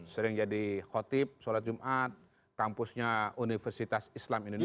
sering jadi khotib sholat jumat kampusnya universitas islam indonesia